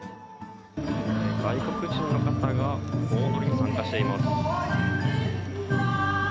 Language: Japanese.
外国人の方が、盆踊りに参加しています。